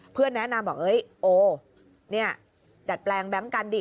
เพื่อนแนะนำบอกโอ้นี่ดัดแปลงแบลงกันดิ